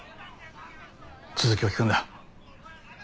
続きを聞くんだ。